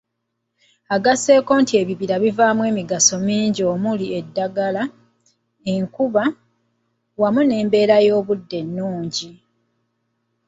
Agasseeko nti ebibira bivaamu emigaso mingi omuli; eddagala, enkuba, wamu n’embeera y’obudde ennungi.